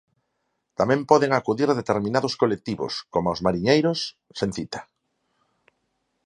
Tamén poden acudir determinados colectivos, coma os mariñeiros, sen cita.